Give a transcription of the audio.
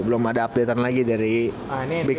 belum ada update an lagi dari big tiga